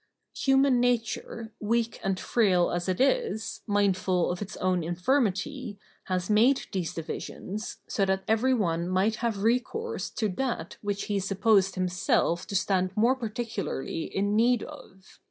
Human nature, weak and frail as it is, mindful of its own infirmity, has made these divisions, so that every one might have recourse to that which he supposed himself to stand more particularly in need of.